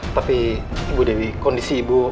tapi ibu dewi kondisi ibu